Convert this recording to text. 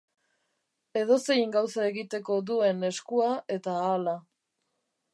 Edozein gauza egiteko duen eskua eta ahala.